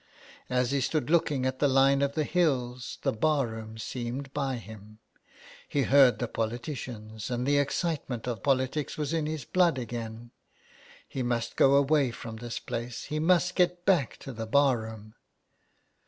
As he stood looking at the line of the hills the bar room seemed by him. He heard the politi cians, and the excitement of politics was in his blood again. He must go away from this place — he must get back to the bar room.